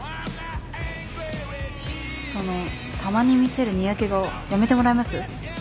そのたまに見せるニヤけ顔やめてもらえます？